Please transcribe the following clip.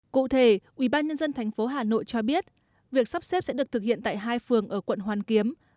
cụ thể ủy ban nhân dân tp hà nội cho biết việc sắp xếp sẽ được thực hiện tại hai phường ở quận hoàn kiếm